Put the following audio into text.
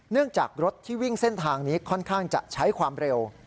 จากรถที่วิ่งเส้นทางนี้ค่อนข้างจะใช้ความเร็ว